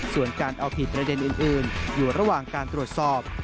ส่วนการเอาผิดประเด็นอื่นอยู่ระหว่างการตรวจสอบ